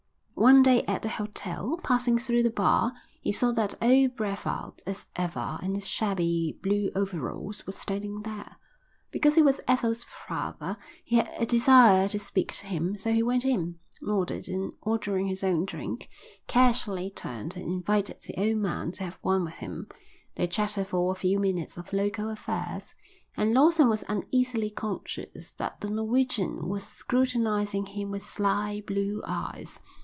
One day at the hotel, passing through the bar, he saw that old Brevald, as ever in his shabby blue overalls, was standing there. Because he was Ethel's father he had a desire to speak to him, so he went in, nodded and, ordering his own drink, casually turned and invited the old man to have one with him. They chatted for a few minutes of local affairs, and Lawson was uneasily conscious that the Norwegian was scrutinising him with sly blue eyes.